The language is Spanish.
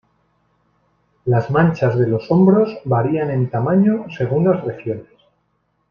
Las manchas de los hombros varían en tamaño según las regiones.